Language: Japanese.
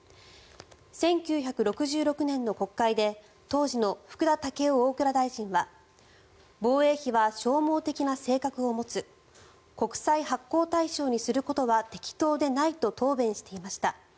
１９６６年の国会で当時の福田赳夫大蔵大臣は防衛費は消耗的な性格を持つ国債発行対象にすることは適当でないと答弁していました。